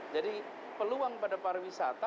jadi peluang pada para wisata